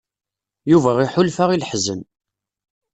Yuba iḥulfa i leḥzen.